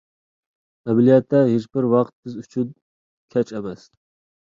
ئەمەلىيەتتە ھېچبىر ۋاقىت بىز ئۈچۈن كەچ ئەمەس.